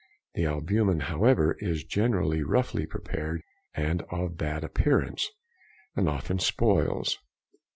The albumen however is generally roughly prepared and of bad appearance, and often spoils.